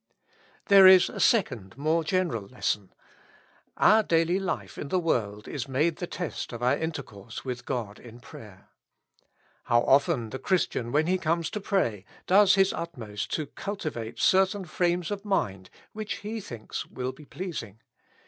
There is a second, more general lesson ; our daily life in the world is made the test of our intercourse with God in prayer. How often the Christian, when he comes to pray, does his utmost to cultivate ceitaia frames of mind which he thinks will be pleasing.